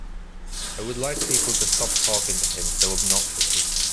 I would like people to stop talking to him so obnoxiously.